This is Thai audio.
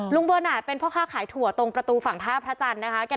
ลุงเบิร์นารตเป็นเพราะค่าขายถั่วตรงประตูฝั่งท่าพระจันทร์นะครับ